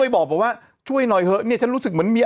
บางที